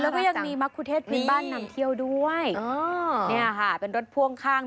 แล้วก็ยังมีมะคุเทศพื้นบ้านนำเที่ยวด้วยอ๋อเนี่ยค่ะเป็นรถพ่วงข้าง